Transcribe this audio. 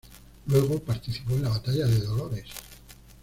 Luego participó en la Batalla de Dolores.